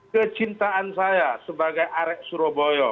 kecintaan saya sebagai arek surabaya